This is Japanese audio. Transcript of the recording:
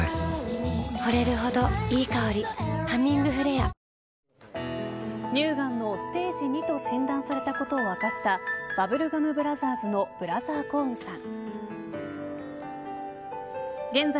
「アタックＺＥＲＯパーフェクトスティック」乳がんのステージ２と診断されたことを明かしたバブルガム・ブラザーズのブラザー・コーンさん。